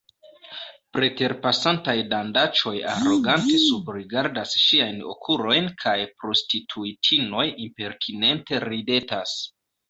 Preterpasantaj dandaĉoj arogante subrigardas ŝiajn okulojn kaj prostituitinoj impertinente ridetas.